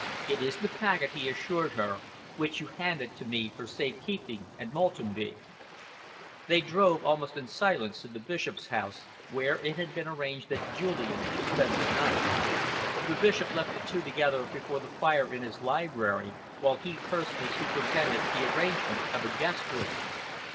"It is the packet," he assured her, "which you handed to me for safe keeping at Maltenby." They drove almost in silence to the Bishop's house, where it had been arranged that Julian should spend the night. The Bishop left the two together before the fire in his library, while he personally superintended the arrangement of a guest room.